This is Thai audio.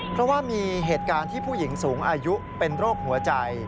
เพราะว่ามีเหตุการณ์ที่ผู้หญิงสูงอายุเป็นโรคหัวใจ